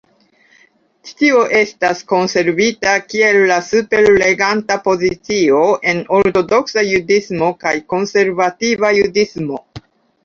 Ĉi tio estas konservita kiel la superreganta pozicio en ortodoksa judismo kaj konservativa judismo.